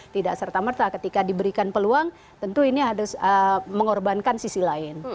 tidak serta merta ketika diberikan peluang tentu ini harus mengorbankan sisi lain